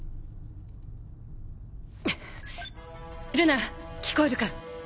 ルナ聞こえるか？